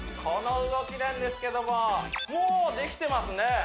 この動きなんですけどももうできてますね